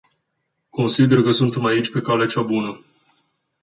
Consider că suntem aici pe calea cea bună.